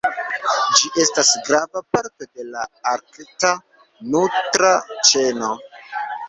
Ĝi estas grava parto de la arkta nutra ĉeno.